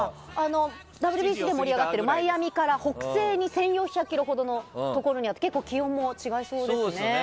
ＷＢＣで盛り上がっているマイアミから北西に１４００ｋｍとのところにあって結構、気温も違いそうですね。